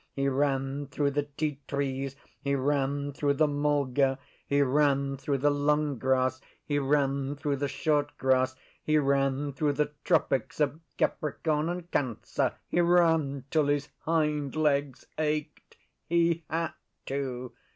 He ran through the ti trees; he ran through the mulga; he ran through the long grass; he ran through the short grass; he ran through the Tropics of Capricorn and Cancer; he ran till his hind legs ached. He had to!